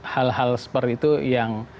hal hal seperti itu yang